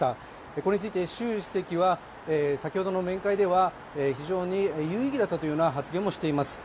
これについて習主席は、先ほどの面会では非常に有意義だったというような発言もしています。